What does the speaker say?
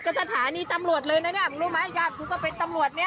ก็สถานีตำรวจเลยน่ะเนี้ยมึงรู้ไหมอีกอย่างกูก็เป็นตำรวจเนี้ย